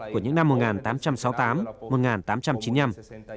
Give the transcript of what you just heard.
của những năm một nghìn tám trăm sáu mươi tám